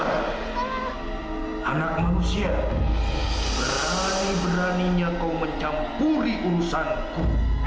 anak manusia berani beraninya kau mencampuri urusanku